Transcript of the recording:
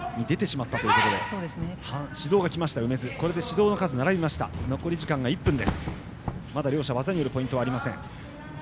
まだ両者技によるポイントはありません。